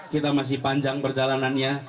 kita masih panjang perjalanannya